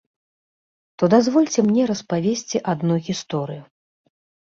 То дазвольце мне распавесці адну гісторыю.